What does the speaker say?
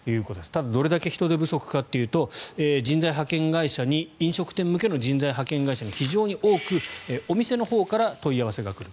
ただどれだけ人手不足かというと飲食店向けの人材派遣会社に非常に多く、お店のほうから問い合わせが来る。